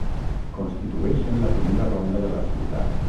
Constitueixen la primera ronda de la ciutat.